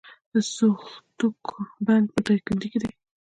د سوختوک بند په دایکنډي کې دی